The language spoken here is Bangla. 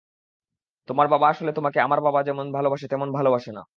তোমার বাবা আসলে তোমাকে আমার বাবা আমাকে যেমন ভালোবাসে তেমন ভালোবাসে না।